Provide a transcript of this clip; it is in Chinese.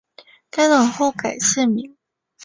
该党后改现名。